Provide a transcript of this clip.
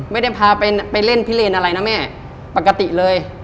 ไม่ได้พาไปเล่นพิเลนอะไรนะแม่ปกติเลย